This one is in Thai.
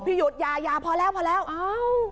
พี่หยุดอย่ายาพอแล้วทดลอด